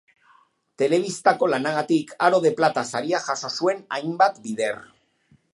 Telebistako lanagatik Aro de Plata saria jaso zuen hainbat bider.